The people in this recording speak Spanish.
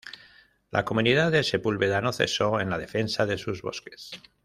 La Comunidad de Sepúlveda no cesó en la defensa de sus bosques.